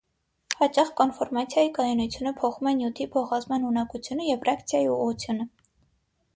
Հաճախ կոնֆորմացիայի կայունությունը փոխում է նյութի փոխազդման ունակությունը և ռեակցիայի ուղղությունը։